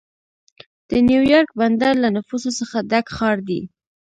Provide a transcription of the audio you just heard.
د نیویارک بندر له نفوسو څخه ډک ښار دی.